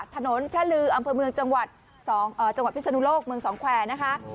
ถนนพระลืออำเภอเมืองจังหวัดพิศนุโลกเมืองสองแควร์นะคะ